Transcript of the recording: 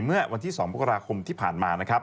เมื่อวันที่๒ปกราคมที่ผ่านมา